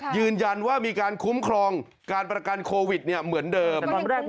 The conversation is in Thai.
ยืนยันว่ามีการคุ้มครองการประกันโควิดเหมือนเดิม